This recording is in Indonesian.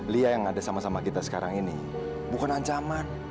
lia yang ada sama sama kita sekarang ini bukan ancaman